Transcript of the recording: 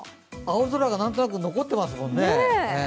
青空が何となく残ってますもんね。